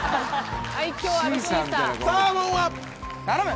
サーモンは⁉頼む！